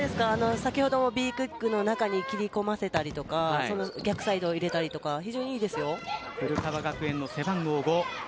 先ほど、Ｂクイックの中に切り込ませたりとか逆サイドを入れたりとか古川学園の背番号５。